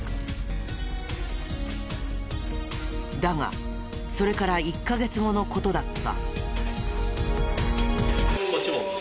だがそれから１カ月後の事だった。